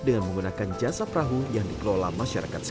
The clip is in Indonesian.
dengan menggunakan jasa perahu yang dikelola masyarakat sipil